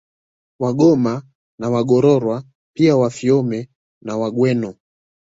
Wagoma na Wagorowa pia Wafiome na Wagweno